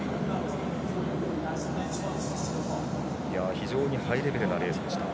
非常にハイレベルなレースでした。